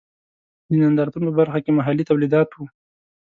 د نندارتون په برخه کې محلي تولیدات و.